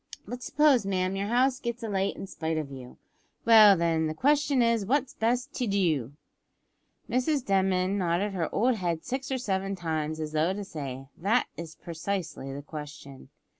But suppose, ma'am, your house gets alight in spite of you well then, the question is what's best to do?" Mrs Denman nodded her old head six or seven times, as though to say, "That is precisely the question."